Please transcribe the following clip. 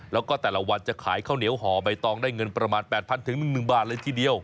แล้วก็แต่ละวันจะขายข้าวเหนียวห่อใบตองได้เงินประมาณ๘๐๐๑๐๐บาทเลยทีเดียว